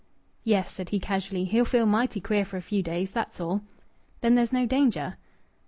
"Yes," said he casually. "He'll feel mighty queer for a few days. That's all." "Then there's no danger?"